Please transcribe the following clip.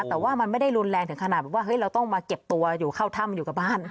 แต่ว่ามันไม่ได้รุนแรงถึงขนาดว่าเฮ้ยเราต้องมาเก็บตัวอยู่เข้าถ้ำอยู่กับบ้าน